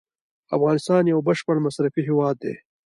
افغانستان یو بشپړ مصرفي هیواد دی.